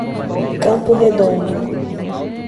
Campo Redondo